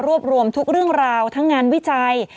รวบรวมทุกเรื่องราวทั้งงานวิจัย